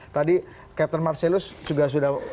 tadi captain marcelus juga sudah